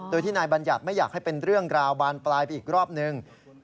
โดยที่นายบัญญัติไม่อยากให้เป็นเรื่องราวบานปลายไปอีกรอบนึง